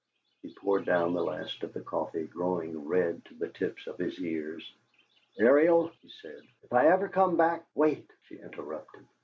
He poured down the last of the coffee, growing red to the tips of his ears. "Ariel," he said, "if I ever come back " "Wait," she interrupted.